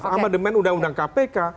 amandemen undang undang kpk